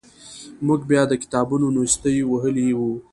موږ بیا د کتابونو نیستۍ وهلي وو.